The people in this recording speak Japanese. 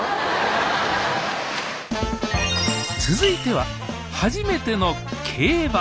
続いては初めての競馬。